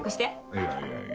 いやいやいや。